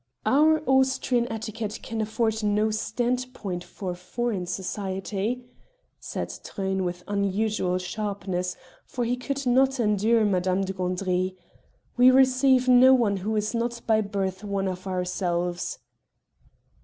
"Our Austrian etiquette can afford no standpoint for foreign society," said Truyn with unusual sharpness, for he could not endure Madame de Gandry; "we receive no one who is not by birth one of ourselves."